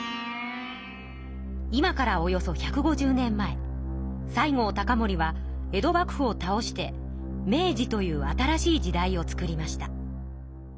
今からおよそ１５０年前西郷隆盛は江戸幕府を倒して明治という新しい時代を作りました。